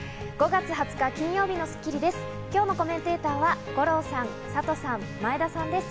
５月２０日、金曜日の『スッキリ』です。